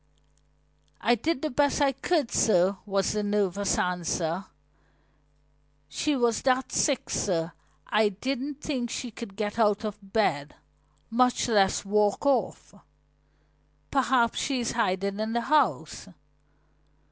"I did the best I could, sir," was the nervous answer. "She was that sick, sir, I didn't think she could get out of bed, much less walk off." "Perhaps she is hiding in the house."